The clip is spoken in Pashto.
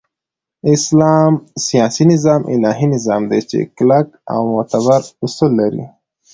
د اسلام سیاسی نظام الهی نظام دی چی کلک او معتبر اصول لری